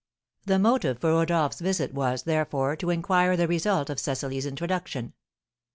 The motive for Rodolph's visit was, therefore, to inquire the result of Cecily's introduction.